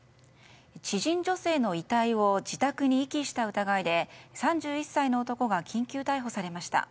知人女性の遺体を自宅に遺棄した疑いで３１歳の男が緊急逮捕されました。